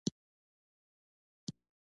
د افغانستان جغرافیه کې اوړي ستر اهمیت لري.